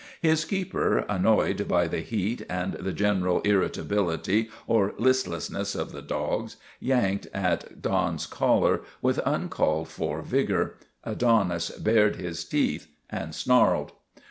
His keeper, annoyed by the heat and the general ir ritability or listlessness of the dogs, yanked at Don's collar with uncalled for vigor. Adonis bared his teeth and snarled.